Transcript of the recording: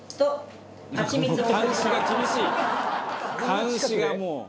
「監視がもう」